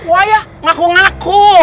wah ya ngaku ngaku